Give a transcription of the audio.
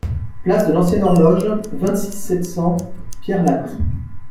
Place de l'Ancienne Horloge, vingt-six, sept cents Pierrelatte